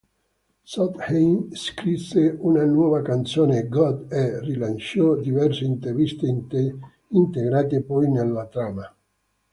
Sondheim scrisse una nuova canzone, "God", e rilasciò diverse interviste integrate poi nella trama.